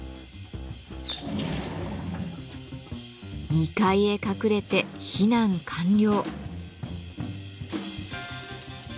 ２階へ隠れて避難完了。